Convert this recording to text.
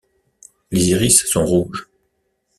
Les iris sont rouges.